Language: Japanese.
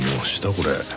これ。